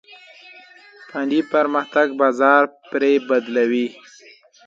فني پرمختګ بازار پرې بدلوي.